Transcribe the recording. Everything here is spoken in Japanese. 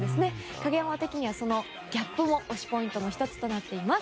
影山的には、そのギャップも推しポイントの１つとなっています。